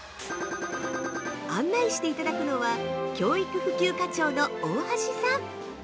案内していただくのは教育普及課長の大橋さん。